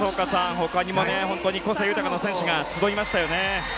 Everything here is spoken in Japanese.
他にも本当に個性豊かな選手が集いましたよね。